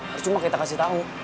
harus cuma kita kasih tahu